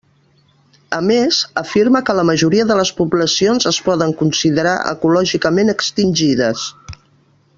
A més, afirma que la majoria de les poblacions es poden considerar ecològicament extingides.